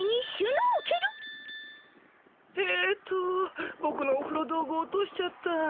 えっとボクのおふろ道具落としちゃった。